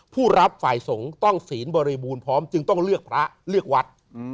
ผู้รับฝ่ายสงฆ์ต้องศีลบริบูรณ์พร้อมจึงต้องเลือกพระเลือกวัด